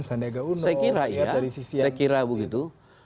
saya kira begitu